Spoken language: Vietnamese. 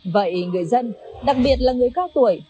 vậy người dân đặc biệt là người cao tuổi